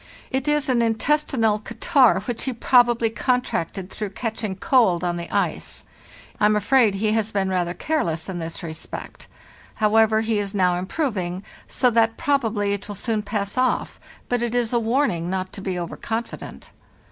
It is an intestinal catarrh, which he probably contracted through catching cold on the ice. I am afraid he has been rather careless in this respect. However, he is now improving, so that probably it will soon pass off ; but it is a warning not to be over confident.